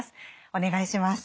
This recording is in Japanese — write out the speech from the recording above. お願いします。